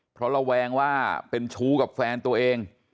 เพราะระแวงว่าเป็นชู้กับแฟนตัวเอง